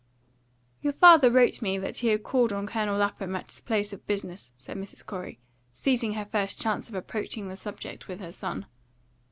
"Your father wrote me that he had called on Colonel Lapham at his place of business," said Mrs. Corey, seizing her first chance of approaching the subject with her son.